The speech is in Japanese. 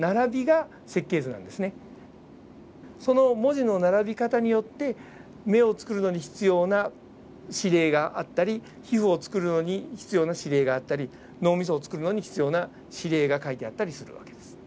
その文字の並び方によって目を作るのに必要な指令があったり皮膚を作るのに必要な指令があったり脳みそを作るのに必要な指令が描いてあったりする訳です。